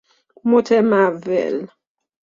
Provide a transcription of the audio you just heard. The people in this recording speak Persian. متمول